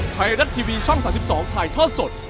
ไทยรัฐทีวีช่อง๓๒ถ่ายทอดสด